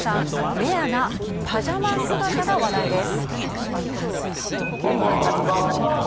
レアなパジャマ姿が話題です。